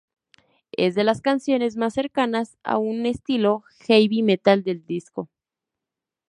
Es de las canciones más cercanas a un estilo Heavy metal del disco.